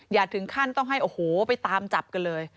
อย่าถึงขั้นต้องให้โอ้โหไปตามจับกันเลย